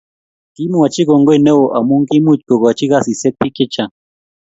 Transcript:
Kimwachi kongoi neo amu kimuch kokochi kasisiek biik chechang